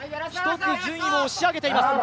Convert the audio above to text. １つ順位を押し上げています。